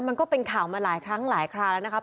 มันก็เป็นข่าวมาหลายครั้งหลายคราแล้วนะครับ